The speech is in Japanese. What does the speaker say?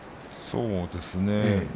そうですね。